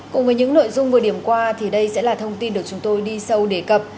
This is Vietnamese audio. cùng với những nội dung vừa điểm qua thì đây sẽ là thông tin được chúng tôi đi sâu đề cập